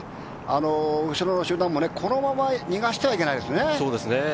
後ろの集団もこのまま逃してはいけないですね。